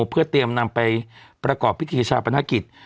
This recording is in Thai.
เพื่อเตรียมนำไปประกอบพิธีชาปนกิจ